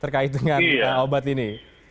terkait dengan obat ini